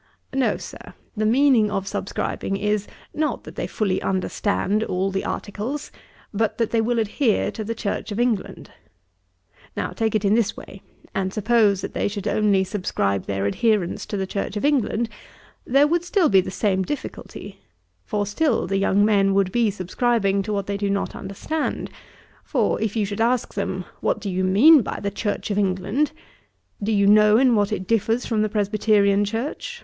No, Sir, the meaning of subscribing is, not that they fully understand all the articles, but that they will adhere to the Church of England. Now take it in this way, and suppose that they should only subscribe their adherence to the Church of England, there would be still the same difficulty; for still the young men would be subscribing to what they do not understand. For if you should ask them, what do you mean by the Church of England? Do you know in what it differs from the Presbyterian Church?